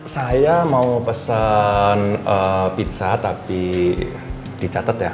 saya mau pesen pizza tapi dicatet ya